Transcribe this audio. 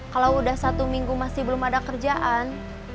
kalau udah satu minggu masih belum ada kerjaan